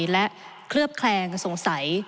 และเคลือบแคลงสงสัย